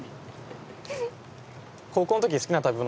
高校のとき好きな食べ物？